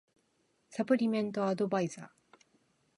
サプリメントアドバイザー